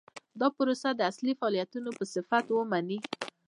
دا پروسه د اصلي فعالیتونو په صفت ومني.